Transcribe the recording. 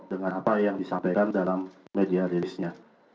dengan apa yang disampaikan dalam media release nya